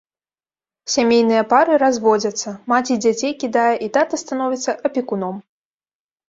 Сямейныя пары разводзяцца, маці дзяцей кідае і тата становіцца апекуном.